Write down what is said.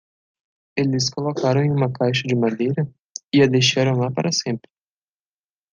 Eles colocaram em uma caixa de madeira? e a deixaram lá para sempre.